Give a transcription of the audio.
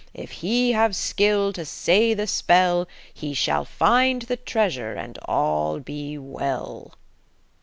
If he have skill to say the spell He shall find the treasure, and all be well!"